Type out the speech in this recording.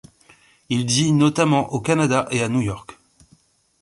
Il dit notamment au Canada et à New York.